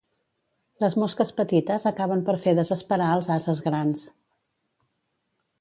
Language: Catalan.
Les mosques petites acaben per fer desesperar els ases grans.